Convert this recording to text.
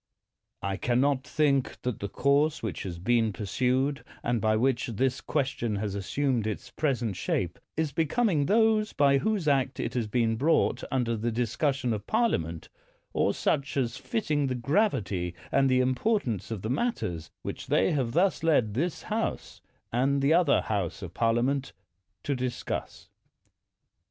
I can not think that the course which has been pursued, and by which this question has assumed its present shape, is becoming those by whose act it has been brought under the dis cussion of Parliament, or such as fitting the gravity' and the importance of the matters which they have thus led this House and the other House of Parliament to discuss.